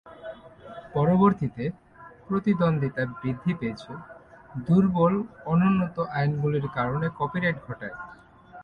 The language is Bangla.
পরবর্তীতে, প্রতিদ্বন্দ্বিতা বৃদ্ধি পেয়েছে, দুর্বল অনুন্নত আইনগুলির কারণে কপিরাইট ঘটায়।